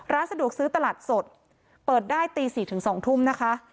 ร้านสะดวกซื้อตลาดสดเปิดได้ตี๔ถึง๒ทุ่มนะคะ